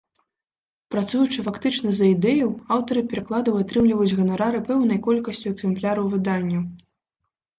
Працуючы фактычна за ідэю, аўтары перакладаў атрымліваюць ганарары пэўнай колькасцю экзэмпляраў выданняў.